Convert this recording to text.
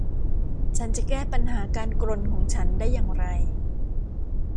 ฉันจะแก้ปัญหาการกรนของฉันได้อย่างไร